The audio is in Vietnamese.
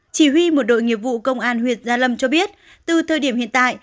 chỉ huy một đội nghiệp vụ công an huyện gia lâm cho biết từ thời điểm hiện tại